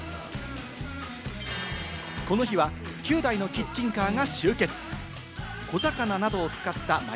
この日は９台のキッチンカーが集結。